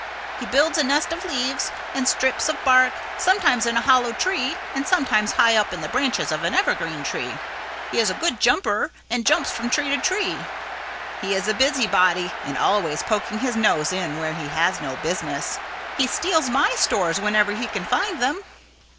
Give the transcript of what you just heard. He builds a nest of leaves and strips of bark, sometimes in a hollow tree and sometimes high up in the branches of an evergreen tree. He is a good jumper and jumps from tree to tree. He is a busybody and always poking his nose in where he has no business. He steals my stores whenever he can find them."